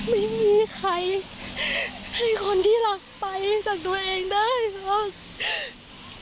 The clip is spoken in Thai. ไม่มีใครให้คนที่รักไปจากตัวเองได้ค่ะ